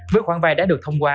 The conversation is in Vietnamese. với khoảng vay đã được thông qua